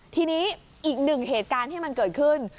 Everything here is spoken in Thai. ทีนี้อีกหนึ่งเหตุการณ์ที่มันเกิดขึ้น